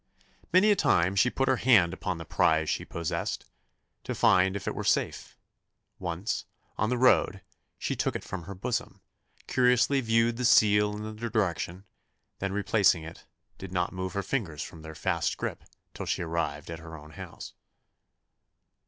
Many a time she put her hand upon the prize she possessed, to find if it were safe: once, on the road, she took it from her bosom, curiously viewed the seal and the direction, then replacing it, did not move her fingers from their fast grip till she arrived at her own house.